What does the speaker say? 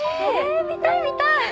え見たい見たい！